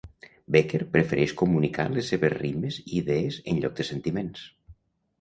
Bécquer prefereix comunicar en les seves rimes idees en lloc de sentiments.